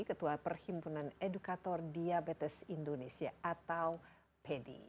ketua perhimpunan edukator diabetes indonesia atau pedi